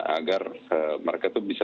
agar mereka tuh bisa